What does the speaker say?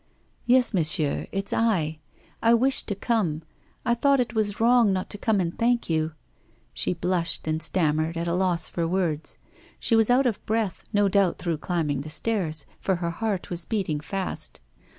'Yes, monsieur, it's I. I wished to come. I thought it was wrong not to come and thank you ' She blushed and stammered, at a loss for words. She was out of breath, no doubt through climbing the stairs, for her heart was beating fast.